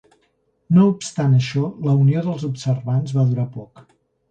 No obstant això, la unió dels observants va durar poc.